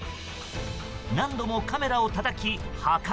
何度もカメラをたたき破壊。